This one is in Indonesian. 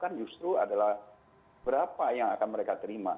kan justru adalah berapa yang akan mereka terima